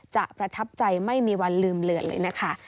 ประทับใจไม่มีวันลืมเหลือเลยนะคะ